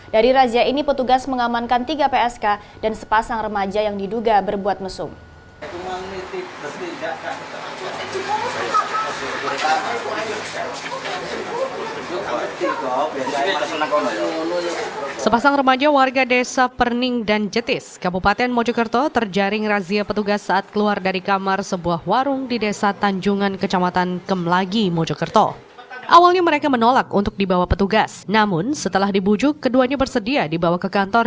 dari razia ini petugas mengamankan tiga psk dan sepasang remaja yang diduga berbuat mesum